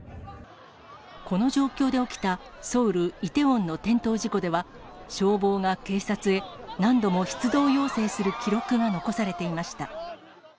この状況で起きたソウル・イテウォンの転倒事故では、消防が警察へ何度も出動要請する記録が残されていました。